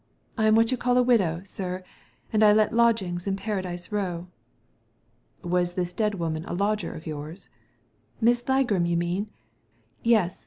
'' I am what you call a widow, sir ; and I let lodgings in Paradise Row." " Was this dead woman a lodger of yours ?" "Miss Ligram, you mean? Yes.